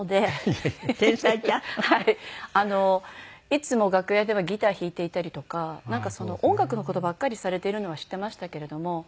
いつも楽屋ではギター弾いていたりとか音楽の事ばっかりされているのは知ってましたけれども。